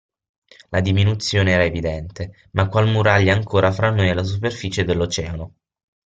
La diminuzione era evidente, ma qual muraglia ancora fra noi e la superficie dell'Oceano!